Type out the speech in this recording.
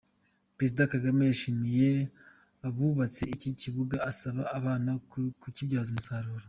Perezida Kagame yashimiye abubatse iki kibuga asaba abana kukibyaza umusaruro